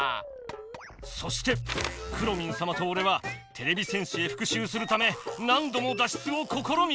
そしてくろミンさまとおれはてれび戦士へふくしゅうするため何どもだっ出をこころみた！